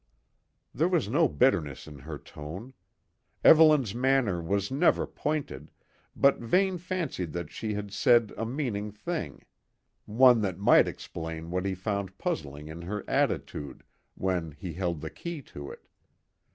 There was no bitterness in her tone. Evelyn's manner was never pointed, but Vane fancied that she had said a meaning thing, one that might explain what he found puzzling in her attitude, when he held the key to it.